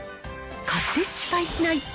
買って失敗しない！